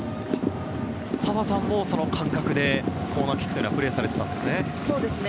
澤さんはその感覚でコーナーキックはプレーされていたんですね。